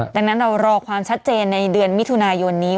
ดังนั้นเรารอความชัดเจนในเดือนมิถุนายนนี้